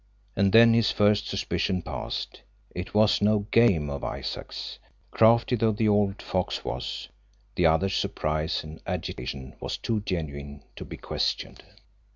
And then his first suspicion passed it was no "game" of Isaac's. Crafty though the old fox was, the other's surprise and agitation was too genuine to be questioned.